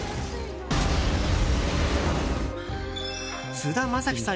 菅田将暉さん